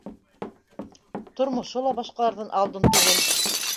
Тормошо ла башҡаларҙан алдын түгел